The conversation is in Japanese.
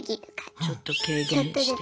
ちょっと軽減してって。